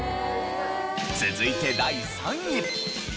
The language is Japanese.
続いて第３位。